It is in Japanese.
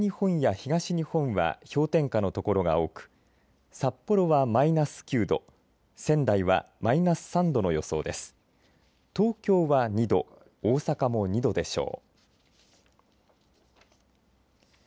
東京は２度大阪も２度でしょう。